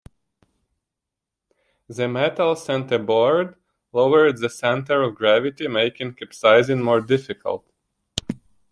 The metal centerboard lowered the center of gravity, making capsizing more difficult.